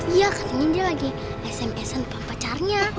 iya katanya dia lagi sms an pampacarnya